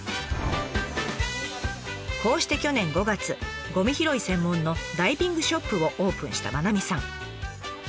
こうして去年５月ゴミ拾い専門のダイビングショップをオープンした真七水さん。